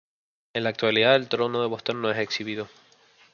En la actualidad, el Trono de Boston no es exhibido.